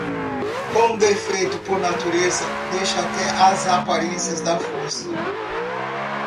Com defeito por natureza, deixa até as aparências da força.